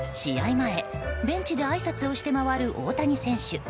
前、ベンチであいさつをして回る大谷選手。